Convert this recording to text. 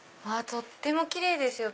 とってもキレイですよ。